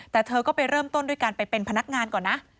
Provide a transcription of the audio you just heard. แต่เธอก็ไปเริ่มต้นด้วยการไปเป็นพนักงานก่อนนะ